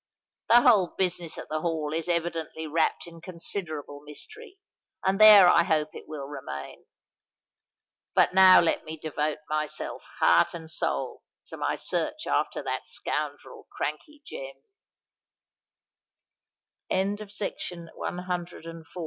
"The whole business at the Hall is evidently wrapped in considerable mystery; and there I hope it will remain. But now let me devote myself heart and soul to my search after that scoundrel Crankey Jem." CHAPTER CCXL. A NEW EPOCH.